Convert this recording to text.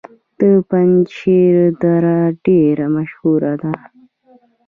د پنجشیر دره ډیره مشهوره ده